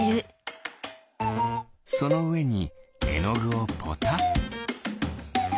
そのうえにえのぐをポタ。